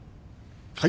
はい。